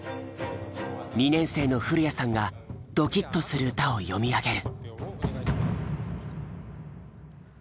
２年生の古谷さんがドキッとする歌を詠み上げる。